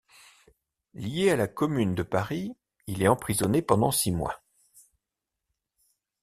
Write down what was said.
Lié à la Commune de Paris, il est emprisonné pendant six mois.